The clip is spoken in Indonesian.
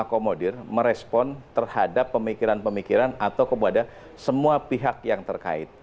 dan kami akan akomodir merespon terhadap pemikiran pemikiran atau kepada semua pihak yang terkait